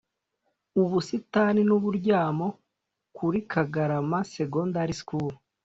ubusitani n uburyamo kuri kagarama secondary school